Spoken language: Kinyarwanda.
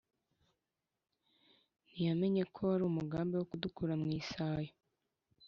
Ntiyamenyeko war’ umugambi Wokudukura mwisayo